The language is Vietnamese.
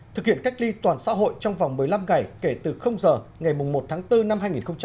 thực hiện cách ly toàn xã hội trong vòng một mươi năm ngày kể từ giờ ngày một tháng bốn năm hai nghìn hai mươi